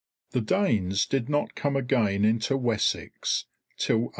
The Danes did not come again into Wessex till 876.